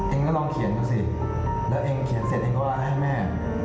ลองเขียนดูสิแล้วเองเขียนเสร็จเองก็ลาให้แม่